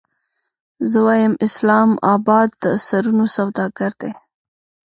زه وایم اسلام اباد د سرونو سوداګر دی.